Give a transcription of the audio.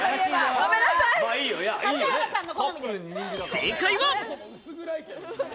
正解は。